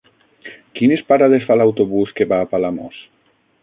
Quines parades fa l'autobús que va a Palamós?